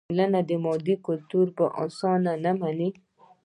ټولنه مادي کلتور په اسانۍ مني.